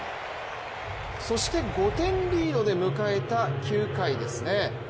そして５点リードで迎えた９回ですね。